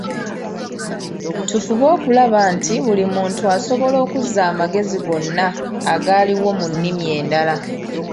Tufube okulaba nti buli muntu asobola okuza amagezi gonna agaliwo mu nnimi endala.